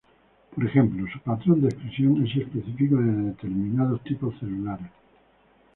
Por ejemplo, su patrón de expresión es específico de determinados tipos celulares.